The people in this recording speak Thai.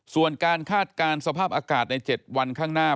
ส่วนการคาดการณ์สภาพอากาศใน๗วันข้างหน้า